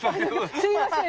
いやすいません